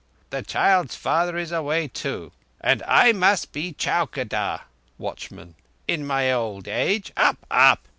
The child's father is away too, and I must be chowkedar (watchman) in my old age. Up! Up!